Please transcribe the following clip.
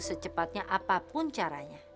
secepatnya apapun caranya